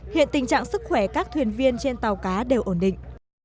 hiện tình trạng sức khỏe các thuyền viên trên tàu cá đều ổn định